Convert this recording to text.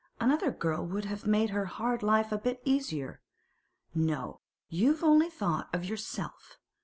Another girl would have made her hard life a bit easier. No; you've only thought of yourself.